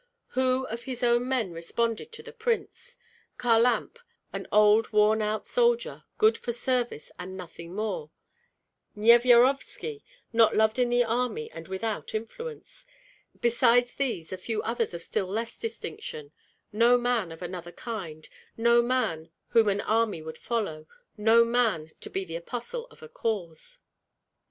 Who of his own men responded to the prince? Kharlamp, an old, worn out soldier, good for service and nothing more; Nyevyarovski, not loved in the army and without influence; besides these a few others of still less distinction; no man of another kind, no man whom an army would follow, no man to be the apostle of a cause.